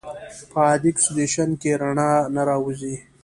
په عادي اکسیدیشن کې رڼا نه راوځي.